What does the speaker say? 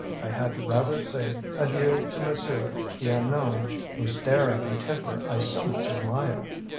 I had rather say adieu to Monsieur the Unknown, whose daring and temper I so much admire.